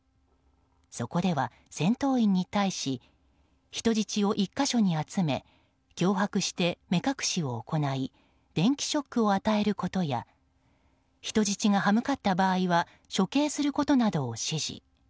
そこでは、戦闘員に対し人質を一か所に集め脅迫して目隠しを行い電気ショックを与えることや人質が歯向かった場合は処刑することなどを指示。